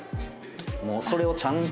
もうそれをちゃんと。